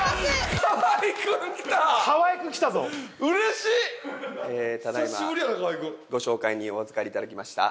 ただ今ご紹介におあずかりいただきました